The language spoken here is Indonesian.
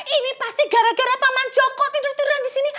ini pasti gara gara paman joko tidur tiduran di sini